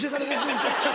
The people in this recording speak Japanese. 言うて。